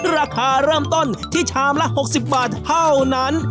ราคาเริ่มต้นที่ชามละ๖๐บาทเท่านั้น